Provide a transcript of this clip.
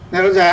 nhà đấu giá